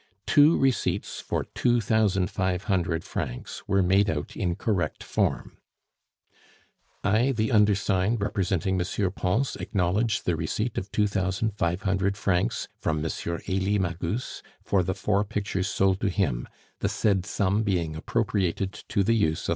Two receipts for two thousand five hundred francs were made out in correct form: "I, the undersigned, representing M. Pons, acknowledge the receipt of two thousand five hundred francs from M. Elie Magus for the four pictures sold to him, the said sum being appropriated to the use of M.